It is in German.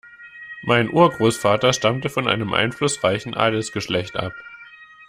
Mein Urgroßvater stammte von einem einflussreichen Adelsgeschlecht ab.